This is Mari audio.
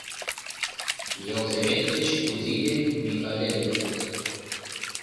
Ялсовет гыч Кузий ден Микале лектыт.